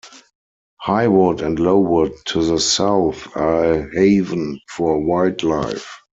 High Wood and Low Wood to the south are a haven for wildlife.